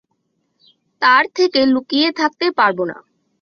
তার থেকে লুকিয়ে থাকতে পারব না।